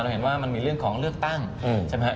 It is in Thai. เห็นว่ามันมีเรื่องของเลือกตั้งใช่ไหมฮะ